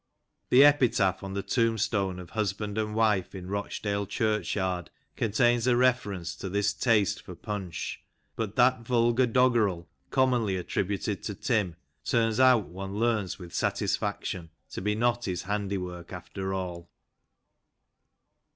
The epitaph on the tombstone of husband and wife in Rochdale Churchyard, contains a reference to this taste for punch ; but that vulgar doggrel, commonly attributed to Tim, turns out, one learns with satisfaction, to be not his handiwork after all.